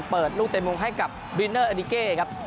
เปิดลูกเต็มมุมให้กับวินเนอร์เอดิเก้ครับ